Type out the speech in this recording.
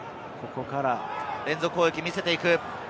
連続攻撃を見せていく。